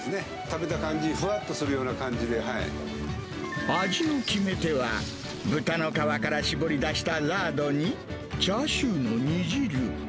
食べた感じ、ふわっとするような味の決め手は、豚の皮から搾り出したラードに、チャーシューの煮汁。